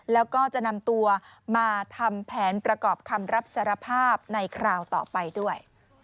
แล้วก็จะนำตัวมาทำแผนประกอบคำรับสารภาพในคราวต่อไปด้วย